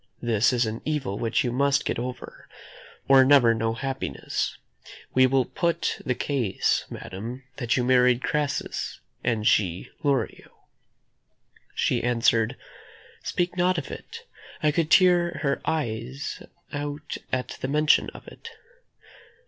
This is an evil which you must get over, or never know happiness. We will put the case, madam, that you married Crassus, and she Lorio." She answered: "Speak not of it; I could tear her eyes out at the mention of it."